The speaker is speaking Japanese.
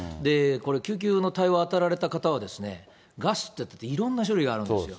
救急の対応、当たられた方は、ガスっていったって、いろんな種類があるんですよ。